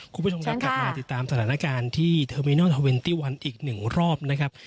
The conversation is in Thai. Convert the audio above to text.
คุณผู้ชมครับกลับมาติดตามสถานการณ์ที่เทอร์มินอลทอเวนตี้วันอีกหนึ่งรอบนะครับ